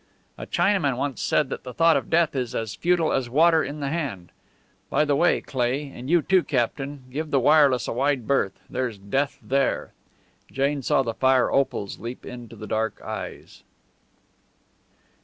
"A Chinaman once said that the thought of death is as futile as water in the hand. By the way, Cleigh and you too, captain give the wireless a wide berth. There's death there." Jane saw the fire opals leap into the dark eyes.